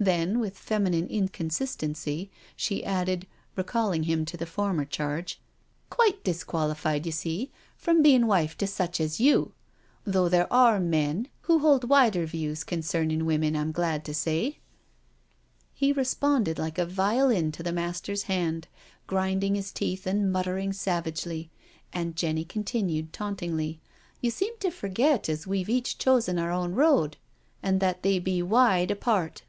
Then, with feminine inconsistency, she added, recalling him to the former charge, " Quite disqualified, you see. 176 NO SURRENDER from bein' wife to such as you I though there are men who hold wider views concemin' women, Tm glad to say. ..." He responded like a violin to the master's hand, grinding his teeth and muttering savagely. And Jenny continued tauntingly: " You seem to forget as we've each chosen our own road, and that they be wide apart."